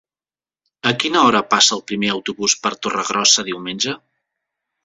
A quina hora passa el primer autobús per Torregrossa diumenge?